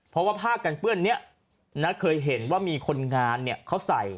เพราะว่าผ้ากันเปื้อนนี้นะเคยเห็นว่ามีคนงานเนี่ยเขาใส่